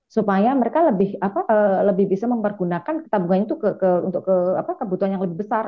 supaya mereka lebih bisa menggunakan ketabungannya untuk kebutuhan yang lebih besar